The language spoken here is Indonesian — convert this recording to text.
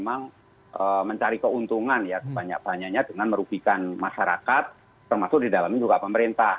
memang mencari keuntungan ya sebanyak banyaknya dengan merugikan masyarakat termasuk di dalamnya juga pemerintah